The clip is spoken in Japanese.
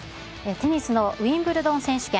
テニスのウィンブルドン選手権。